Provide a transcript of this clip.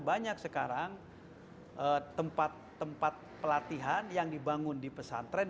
banyak sekarang tempat tempat pelatihan yang dibangun di pesantren